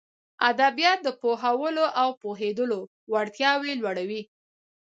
ادبيات د پوهولو او پوهېدلو وړتياوې لوړوي.